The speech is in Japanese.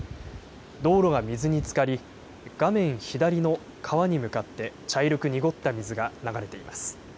道路が水につかり、画面左の川に向かって茶色く濁った水が流れています。